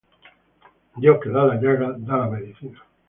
Dios que da la llaga, da la medicina.